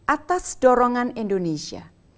atas dorongan indonesia